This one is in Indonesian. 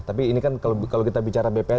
tapi ini kan kalau kita bicara bpn